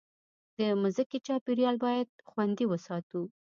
د مځکې چاپېریال باید خوندي وساتو.